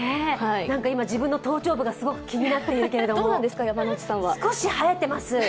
今、自分の頭頂部がすごく気になっていますけれども、少し生えてます。